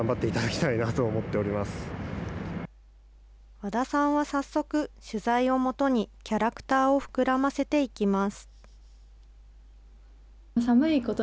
わださんは早速、取材を基に、キャラクターを膨らませていきます。